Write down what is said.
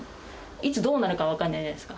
いつどうなるか分からないじゃないですか。